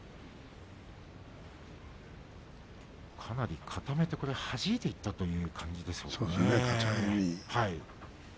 かなり固めて、はじいていったという感じですね。